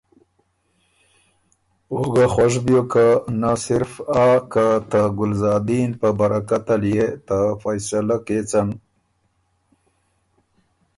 او ګۀ خوش بیوک که نۀ صرف آ که ته ګلزادین په برکته ليې ته فیصلۀ کېڅن